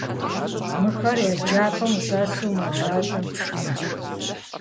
Мыхэр еджапӀэм ущӀэсу умэжалӀэм, пшхынщ.